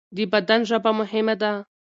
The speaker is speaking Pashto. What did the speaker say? د بدن ژبه مهمه ده.